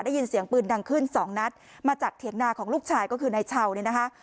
ได้ยินเสียงปืนดังขึ้นสองนัดมาจากเถียงนาของลูกชายก็คือนายเช่าเนี่ยนะคะ